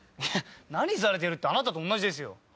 何されてるってあなたと同じですよ。